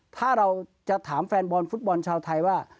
ถ้าเราจะถามแฟนบอลฟุตบอลชาวไทยว่า